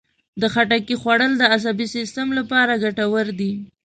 د خټکي خوړل د عصبي سیستم لپاره ګټور دي.